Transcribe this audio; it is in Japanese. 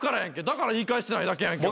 だから言い返してないだけやんけ。